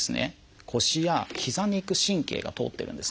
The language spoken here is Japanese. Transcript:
腰やひざに行く神経が通ってるんですね。